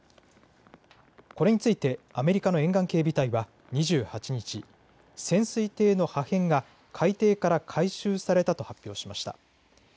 これについてアメリカの沿岸警備隊は２８日、潜水艇の破片が海底から回収されたと発表しました。